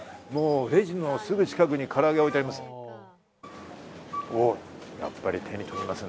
レジのすぐ近くに唐揚げが置いてあります。